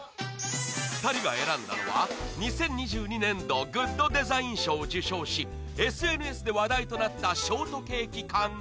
２人が選んだのは２０２２年度グッドデザイン賞を受賞し ＳＮＳ で話題となったショートケーキ缶